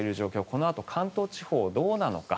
このあと関東地方はどうなのか。